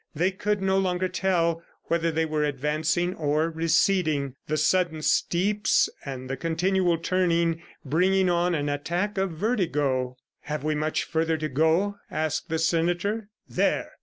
They could no longer tell whether they were advancing or receding, the sudden steeps and the continual turning bringing on an attack of vertigo. "Have we much further to go?" asked the senator. "There!"